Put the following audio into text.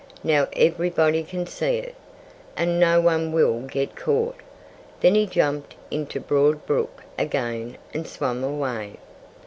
"Now everybody can see it. And no one will get caught." Then he jumped into Broad Brook again and swam away.